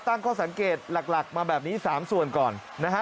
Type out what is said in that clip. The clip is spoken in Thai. ตั้งข้อสังเกตหลักมาแบบนี้๓ส่วนก่อนนะฮะ